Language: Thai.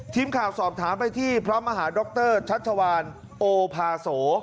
ทีมข่าวสอบถามไปที่พระมหาดรชัชวานโอภาโส